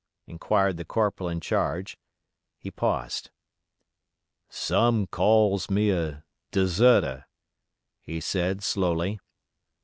inquired the corporal in charge. He paused. "Some calls me a d'serter," he said, slowly.